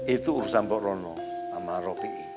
itu urusan mbok rono sama ropi